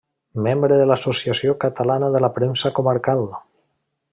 Membre de l’Associació Catalana de la Premsa Comarcal.